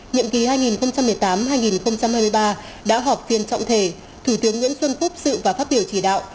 nhiệm kỳ hai nghìn một mươi tám hai nghìn hai mươi ba đã họp phiên trọng thể thủ tướng nguyễn xuân phúc sự và phát biểu chỉ đạo